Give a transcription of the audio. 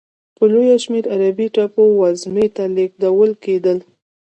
په لویه شمېر عربي ټاپو وزمې ته لېږدول کېدل.